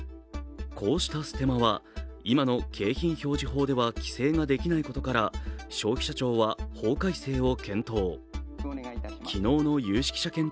こうしたステマは今の景品表示法では規制ができないことから消費者庁は法改正を検討。